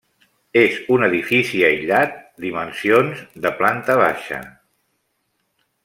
És un edifici aïllat dimensions, de planta baixa.